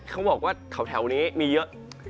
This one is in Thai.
เขาบอกว่าแถวนี้มีเยอะ